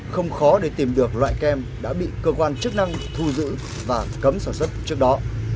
không khó để tìm được loại kem đã bị cơ quan chức năng thu giữ và cấm sản xuất trước đó